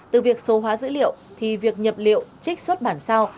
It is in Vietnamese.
từ việc số hóa dữ liệu thì việc nhập liệu trích xuất bản sao